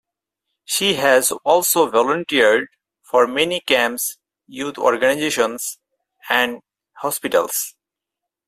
She has also volunteered for many camps, youth organizations, and hospitals.